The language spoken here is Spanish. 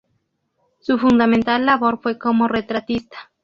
Su fundamental labor fue como retratista.